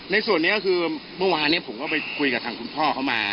ในส่วนนี้ก็คือเมื่อวานนี้ผมก็ไปคุยกับทางคุณพ่อเขามา